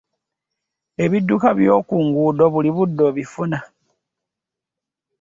Ebidduka byokunguudo buli budde obifuna.